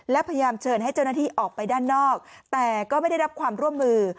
และพยายามเชิญให้เจ้าหน้าที่ออกไปด้านนอกแต่ก็ไม่ได้รับความร่วมมือ